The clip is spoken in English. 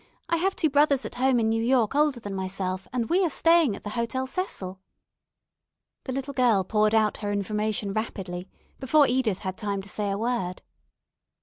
I have two brothers at home in New York older than myself, and we are staying at the Hotel Cecil." The little girl poured out her information rapidly, before Edith had time to say a word.